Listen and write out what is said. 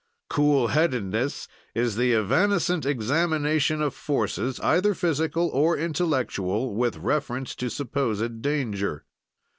"Cool headedness is the evanescent examination of forces, either physical or intellectual, with reference to supposed danger.